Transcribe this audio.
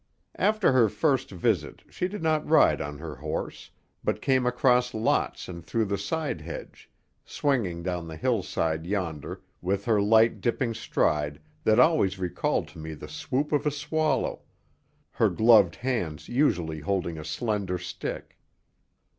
After her first visit she did not ride on her horse; but came across lots and through the side hedge, swinging down the hillside yonder with her light dipping stride that always recalled to me the swoop of a swallow, her gloved hands usually holding a slender stick.